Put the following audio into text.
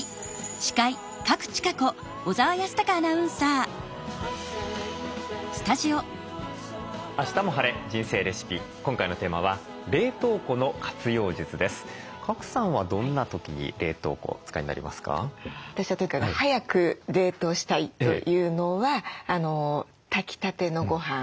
私はとにかく早く冷凍したいというのは炊きたてのごはん。